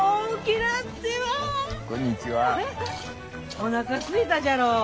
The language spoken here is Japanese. おなかすいたじゃろう。